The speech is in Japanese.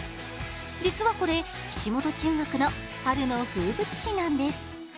実はこれ、岸本中学の春の風物詩なんです。